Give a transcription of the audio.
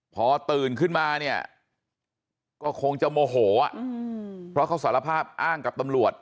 พอตื่นขึ้นมาเนี่ยก็คงจะโมโหเพราะเขาสารภาพอ้างกับตำรวจ